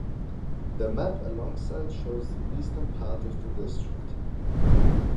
The map alongside shows the eastern part of the district.